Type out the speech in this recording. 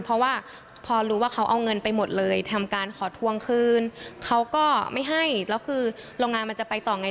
เพราะว่าพอรู้ว่าเขาเอาเงินไปหมดเลยทำการขอทวงคืนเขาก็ไม่ให้แล้วคือโรงงานมันจะไปต่อไง